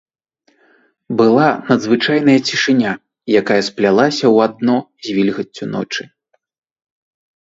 Была надзвычайная цішыня, якая сплялася ў адно з вільгаццю ночы.